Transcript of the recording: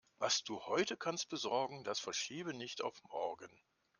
Was du heute kannst besorgen, das verschiebe nicht auf morgen.